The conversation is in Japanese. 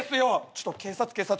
ちょっと警察警察。